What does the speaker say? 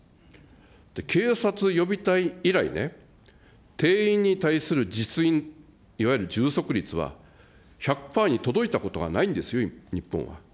警察予備隊以来ね、定員に対する実員、いわゆる充足率は、１００パーに届いたことがないんですよ、日本は。